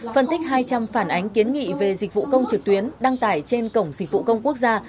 phân tích hai trăm linh phản ánh kiến nghị về dịch vụ công trực tuyến đăng tải trên cổng dịch vụ công quốc gia